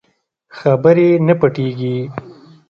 خبرې نه پټېږي.